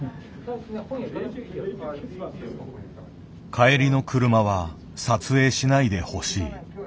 帰りの車は撮影しないでほしい。